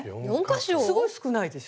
すごい少ないでしょ？